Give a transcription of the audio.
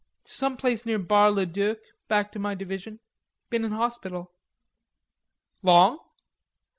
"To some place near Bar le Duc, back to my Division. Been in hospital." "Long?"